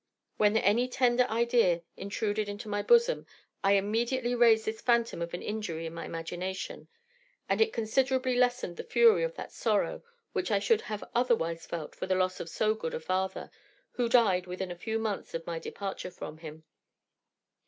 When any tender idea intruded into my bosom, I immediately raised this fantom of an injury in my imagination, and it considerably lessened the fury of that sorrow which I should have otherwise felt for the loss of so good a father, who died within a few months of my departure from him.